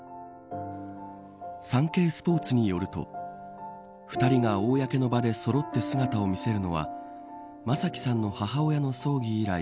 サンケイスポーツによると２人が公の場でそろって姿を見せるのは正輝さんの母親の葬儀以来